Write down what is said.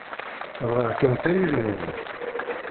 Bɣiɣ kan tayri-nwent.